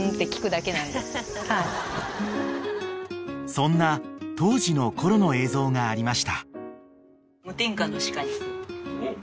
［そんな当時のコロの映像がありました］